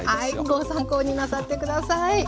ご参考になさって下さい。